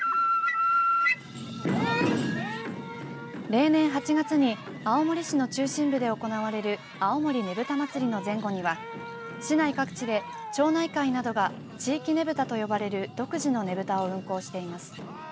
例年８月に青森市の中心部で行われる青森ねぶた祭の前後には市内各地で町内会などが地域ねぶたと呼ばれる独自のねぶたを運行しています。